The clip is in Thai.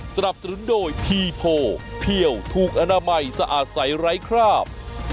สนับสนุนโดยทีโพเพี่ยวถูกอนามัยสะอาดใสไร้คราบ